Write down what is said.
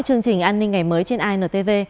chương trình an ninh ngày mới trên intv